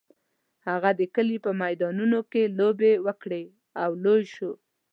هغه د کلي په میدانونو کې لوبې وکړې او لوی شو.